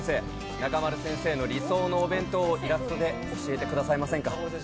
中丸先生の理想のお弁当をイラストで教えてくださいませんか。